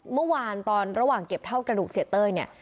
เมื่อวานตอนระหว่างเก็บเท่ากระดูกเสียเต้ยเนี่ย